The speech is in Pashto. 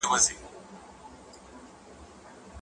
ټولنپوهنه د څېړنې د هدف له مخې وېشل کیږي.